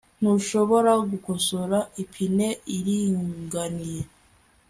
ntushobora gukosora ipine iringaniye